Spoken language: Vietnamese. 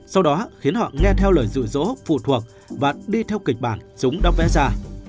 sau đó khiến họ nghe theo lời dụ dỗ phụ thuộc và đi theo kịch bản chúng đọc vé giả